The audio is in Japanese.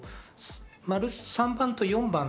３番と４番。